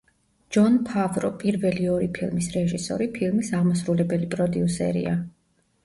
ჯონ ფავრო, პირველი ორი ფილმის რეჟისორი, ფილმის აღმასრულებელი პროდიუსერია.